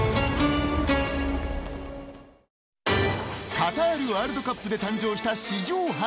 カタールワールドカップで誕生した史上初。